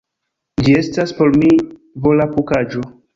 Ĝi estas por mi volapukaĵo.